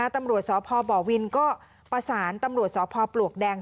ตำรวจสพบวินก็ประสานตำรวจสพปลวกแดง